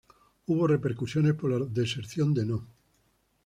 Hubo repercusiones por la deserción de No.